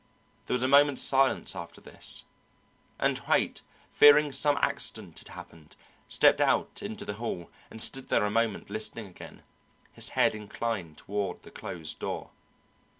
There was a moment's silence after this, and Haight, fearing some accident had happened, stepped out into the hall and stood there a moment listening again; his head inclined toward the closed door.